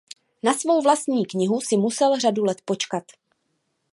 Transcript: Na svou vlastní knihu si musel řadu let počkat.